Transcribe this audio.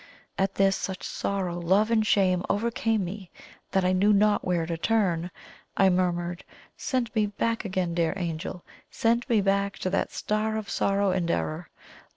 At this, such sorrow, love, and shame overcame me, that I knew not where to turn. I murmured: "Send me back again, dear Angel send me back to that Star of Sorrow and Error!